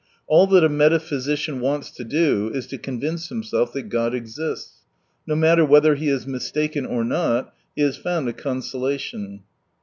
All that a metaphysician wants to do is to convince himself that God exists. No matter whether he is mistaken or not, he has found a consolation.